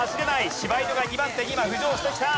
柴犬が２番手に今浮上してきた！